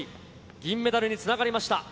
銀メダルにつながりました。